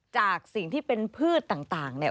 จากสิ่งที่เป็นพืชต่างเนี่ย